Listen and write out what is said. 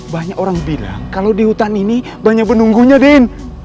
banyak orang bilang kalau di hutan ini banyak penunggunya den